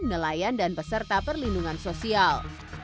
nelayan dan peserta perlindungan sosial